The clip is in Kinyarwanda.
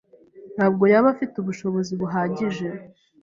Ntabwo yaba afite ubushobozi buhagije